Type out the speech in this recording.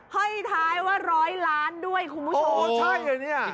ห้อยท้ายว่าร้อยล้านด้วยคุณผู้ชมโอ้ใช่เหรอเนี่ย